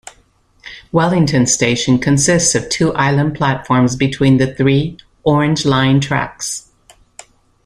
Wellington station consists of two island platforms between the three Orange Line tracks.